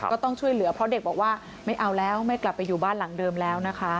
ก็ต้องช่วยเหลือเพราะเด็กบอกว่าไม่เอาแล้วไม่กลับไปอยู่บ้านหลังเดิมแล้วนะคะ